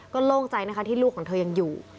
โล่งใจนะคะที่ลูกของเธอยังอยู่